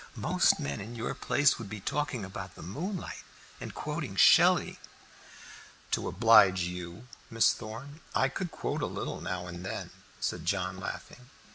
Most men in your place would be talking about the moonlight, and quoting Shelley." "To oblige you, Miss Thorn, I could quote a little now and then," said John, laughing.